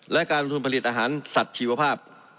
และการลงทุนผลิตอาหารสัตว์ชีวภาพ